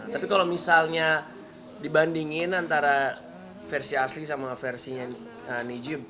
tapi kalau misalnya dibandingin antara versi asli sama versinya nijim